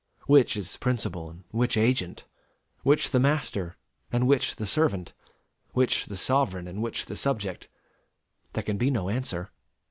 Which is principal and which agent? which the master and which the servant? which the sovereign and which the subject? There can be no answer.